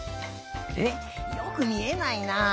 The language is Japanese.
えっよくみえないな。